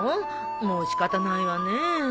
もう仕方ないわねえ。